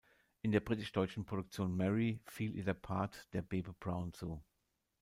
In der britisch-deutschen Produktion "Mary" fiel ihr der Part der Bebe Brown zu.